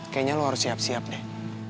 kayaknya lo harus siap siap deh